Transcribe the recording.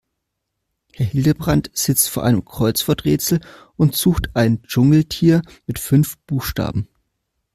Herr Hildebrand sitzt vor einem Kreuzworträtsel und sucht ein Dschungeltier mit fünf Buchstaben.